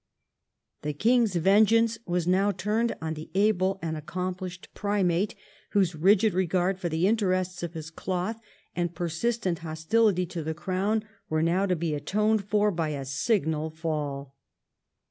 The king's vengeance was now turned on the able and accomplished primate, whose rigid regard for the interests of his cloth and persistent hostility to the crown were now to be atoned for by a signal fall.